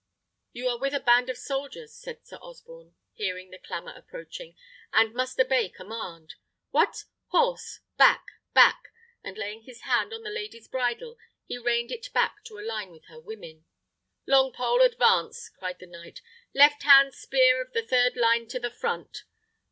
"You are with a band of soldiers," said Sir Osborne, hearing the clamour approaching, "and must obey command. What! horse; back, back!" and laying his hand on the lady's bridle, he reined it back to a line with her women. "Longpole, advance!" cried the knight. "Left hand spear of the third line to the front!